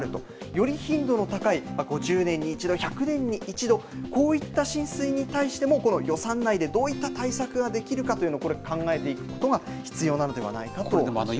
より頻度の高い５０年に１度、１００年に１度、こういった浸水に対しても、この予算内でどういった対策ができるかというのを、これ、考えていくことが必要なのではないかと話していました。